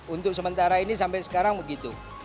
untuk sementara ini sampai sekarang begitu